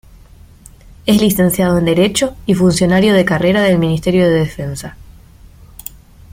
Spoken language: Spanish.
Es licenciado en Derecho y funcionario de carrera del Ministerio de Defensa.